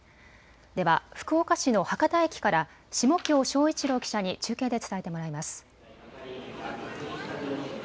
では福岡市の博多駅から下京翔一朗記者に中継で伝えてもらいます。